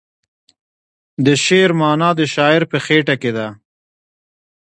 د شعر معنی د شاعر په خیټه کې ده .